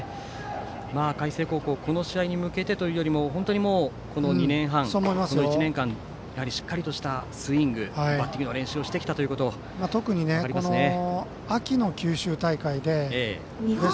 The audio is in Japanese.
海星高校この試合に向けてというよりも本当に、しっかりとしたスイングバッティングの練習をしてきたということが分かりますね。